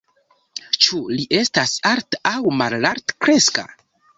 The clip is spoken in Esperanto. Ĉu li estas alt- aŭ malaltkreska?